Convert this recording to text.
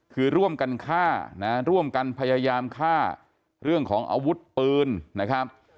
คือร่วมกันฆ่านะร่วมกันพยายามฆ่าเรื่องของอาวุธปืนนะครับ